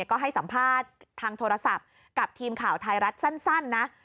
ก็ให้สัมภาษณ์ทางโทรศัพท์กับทีมข่าวไทยรัฐสั้นนะ